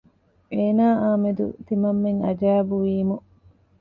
އޭނާއާމެދު ތިމަންމެން އަޖައިބު ވީމު